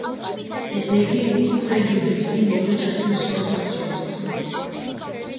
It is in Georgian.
ესე იგი, პრეჯუდისი „მოკლე ჩართვის“ როლს ასრულებს.